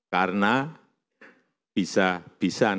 karena bisa bisa nanti kita di jabung